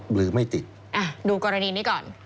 หรือไม่ติดดูกรณีนี้ก่อน